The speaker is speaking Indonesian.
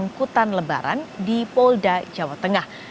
angkutan lebaran di polda jawa tengah